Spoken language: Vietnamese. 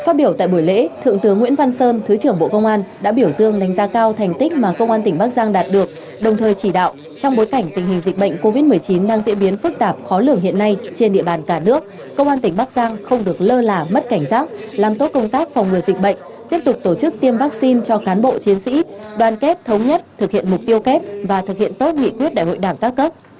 phát biểu tại buổi lễ thượng tướng nguyễn văn sơn thứ trưởng bộ công an đã biểu dương đánh giá cao thành tích mà công an tỉnh bắc giang đạt được đồng thời chỉ đạo trong bối cảnh tình hình dịch bệnh covid một mươi chín đang diễn biến phức tạp khó lửa hiện nay trên địa bàn cả nước công an tỉnh bắc giang không được lơ là mất cảnh giác làm tốt công tác phòng ngừa dịch bệnh tiếp tục tổ chức tiêm vaccine cho cán bộ chiến sĩ đoàn kết thống nhất thực hiện mục tiêu kép và thực hiện tốt nghị quyết đại hội đảng các cấp